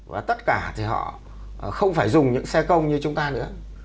và tất cả thì họ không phải dùng những xe công như chúng ta nữa